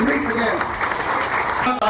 make indonesia great again